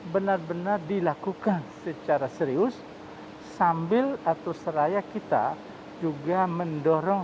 benar benar dilakukan secara serius sambil atau seraya kita juga mendorong